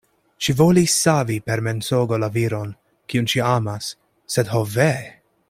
Ŝi volis savi per mensogo la viron, kiun ŝi amas; sed ho ve!